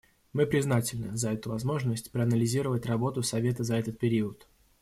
Мы признательны за эту возможность проанализировать работу Совета за этот период.